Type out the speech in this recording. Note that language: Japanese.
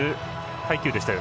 配球でした。